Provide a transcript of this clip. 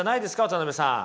渡辺さん。